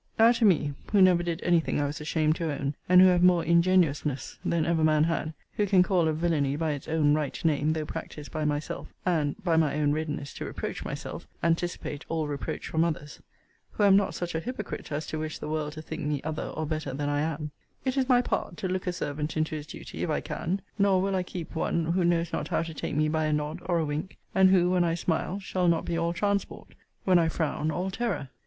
Now to me, who never did any thing I was ashamed to own, and who have more ingenuousness than ever man had; who can call a villany by its own right name, though practised by myself, and (by my own readiness to reproach myself) anticipate all reproach from others; who am not such a hypocrite, as to wish the world to think me other or better than I am it is my part, to look a servant into his duty, if I can; nor will I keep one who knows not how to take me by a nod, or a wink; and who, when I smile, shall not be all transport; when I frown, all terror.